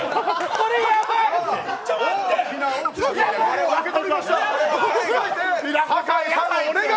これやばい！